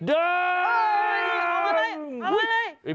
เอามาเลย